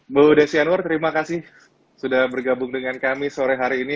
mbak ude sianur terima kasih sudah bergabung dengan kami sore hari ini